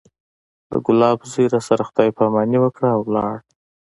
د ګلاب زوى راسره خداى پاماني وکړه او ولاړ.